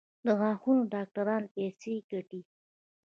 د غاښونو ډاکټران پیسې ګټي؟